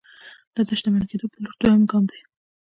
دا د شتمن کېدو پر لور دویم ګام دی